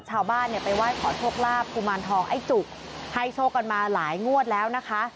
ชาวบ้านไปว่ายขอโทษลาบกุมาลทองไอ้จุกไฮโชว์กันมาหลายงวดแล้วนะคะ